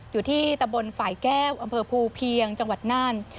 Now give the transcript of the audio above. อยู่ที่ตะบนฝ่ายแก้วอำเภอภูเพียงจังหวัดน่าน